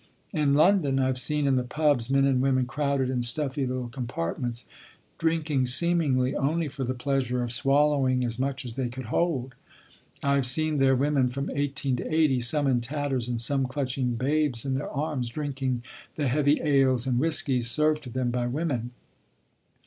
In London I have seen in the "pubs" men and women crowded in stuffy little compartments, drinking seemingly only for the pleasure of swallowing as much as they could hold. I have seen there women from eighteen to eighty, some in tatters, and some clutching babes in their arms, drinking the heavy English ales and whiskies served to them by women.